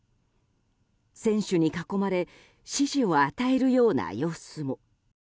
選手に囲まれ指示を与えるような様子も。